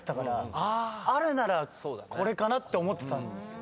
あるならこれかなって思ってたんです。